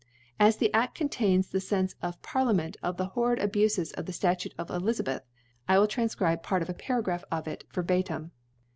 As the Aft contains the Stnfeof Parliament of the horrid Abufe of the Statute of Elizahth^ I will tranfcribe Part of a Paragraph from it verbatim.